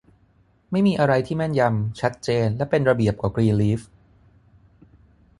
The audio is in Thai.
ไม่มีอะไรที่แม่นยำ ชัดเจนและเป็นระเบียบกว่ากรีนลีฟ